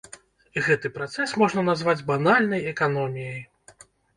Гэты працэс можна назваць банальнай эканоміяй.